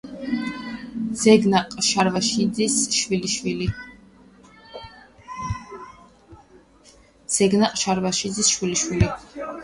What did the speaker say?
ზეგნაყ შარვაშიძის შვილიშვილი.